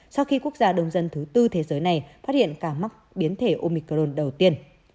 sau khi quốc gia đông dân thứ tư thế giới này phát hiện cả mắc biến thể omicron đầu tiên